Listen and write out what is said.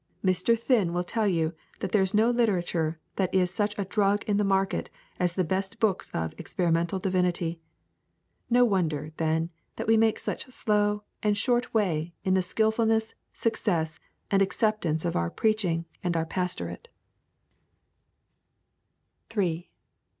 Mr. Thin will tell you that there is no literature that is such a drug in the market as the best books of Experimental Divinity. No wonder, then, that we make such slow and short way in the skilfulness, success, and acceptance of our preaching and our pastorate.